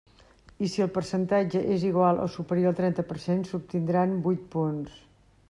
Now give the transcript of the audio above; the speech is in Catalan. I si el percentatge és igual o superior al trenta per cent s'obtindran vuit punts.